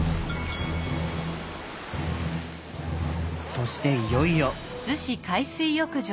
そしていよいよ。